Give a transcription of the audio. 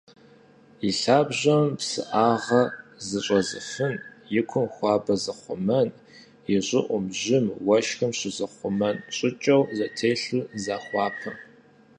Илъабжьэм псыӏагъэ зыщӏэзыфын, икум хуабэр зыхъумэн, ищӏыӏум жьым, уэшхым щызыхъумэн щӏыкӏэу зэтелъу захуапэ.